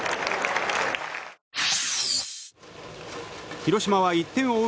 広島は１点を追う